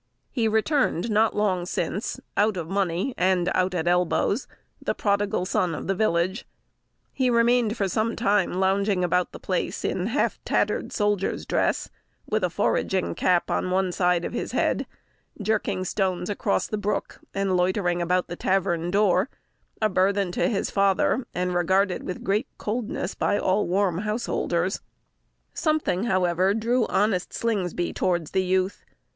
He returned not long since, out of money, and out at elbows, the prodigal son of the village. He remained for some time lounging about the place in half tattered soldier's dress, with a foraging cap on one side of his head, jerking stones across the brook, or loitering about the tavern door, a burthen to his father, and regarded with great coldness by all warm householders. [Illustration: The Prodigal] Something, however, drew honest Slingsby towards the youth.